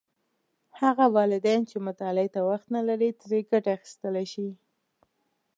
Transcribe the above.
هغه والدین چې مطالعې ته وخت نه لري، ترې ګټه اخیستلی شي.